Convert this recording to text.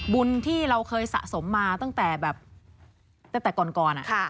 บุญที่เราเคยสะสมมาตั้งแต่ก่อน